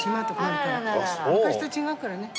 昔と違うからね。